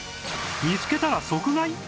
見つけたら即買い！？